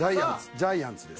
ジャイアンツです。